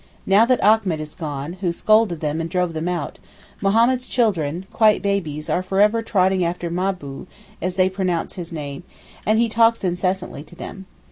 Now that Achmet is gone, who scolded them and drove them out, Mohammed's children, quite babies, are for ever trotting after 'Maboo,' as they pronounce his name, and he talks incessantly to them.